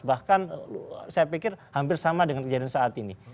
bahkan saya pikir hampir sama dengan kejadian saat ini